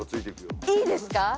いいですか？